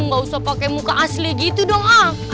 gak usah pake muka asli gitu dong